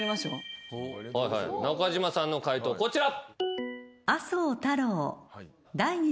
中島さんの解答こちら。